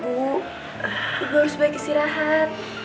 bu gue harus balik istirahat